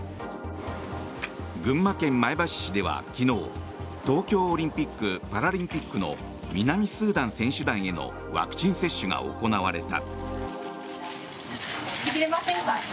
群馬県前橋市では昨日東京オリンピック・パラリンピックの南スーダン選手団へのワクチン接種が行われた。